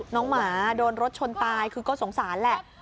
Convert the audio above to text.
หมาโดนรถชนตายคือก็สงสารแหละ